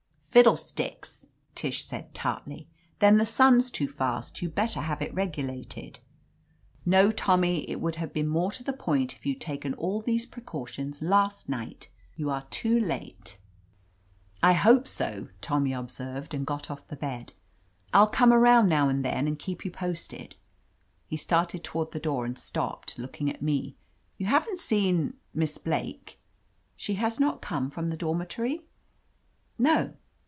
"Fiddlesticks !" Tish said tartly. "Then the sun's too fast; you'd better have it regulated. No, Tommy, it would have been more to the 128 OF LETITIA CARBERRY point if you'd taken all these precautions last night. You are too late." "I hope so," Tommy observed and got off the bed. "I'll come around now and then and keep you posted." He started toward the door and stopped, looking at me. "You haven't seen — Miss Blake? She has not come from the dormitory?" "No."